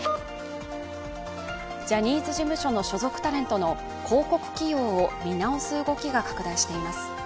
ジャニーズ事務所の所属タレントの広告起用を見直す動きが拡大しています。